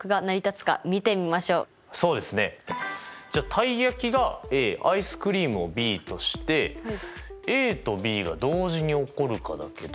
たい焼きがＡアイスクリームをＢとしてＡとＢが同時に起こるかだけど。